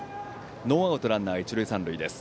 ノーアウトランナー、一塁三塁です。